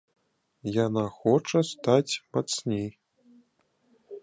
Яна хоча стаць мацней.